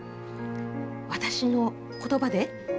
私の言葉で？